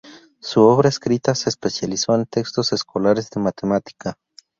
Su obra escrita se especializó en textos escolares de matemática.